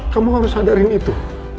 kamu harus sadarin itu